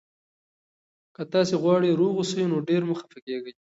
که تاسي غواړئ روغ اوسئ، نو ډېر مه خفه کېږئ.